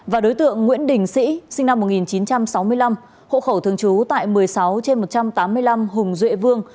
và đối tượng nguyễn đình sĩ sinh năm một nghìn chín trăm sáu mươi năm hộ khẩu thường trú tại một mươi sáu trên một trăm tám mươi năm hùng duệ vương